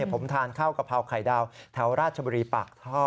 ผมทานข้าวกะเพราไข่ดาวแถวราชบุรีปากท่อ